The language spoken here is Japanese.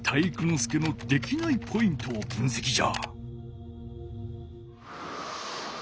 介のできないポイントを分せきじゃ。